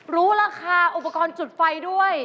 รู้ราคาอุปกรณ์จุดไฟด้วย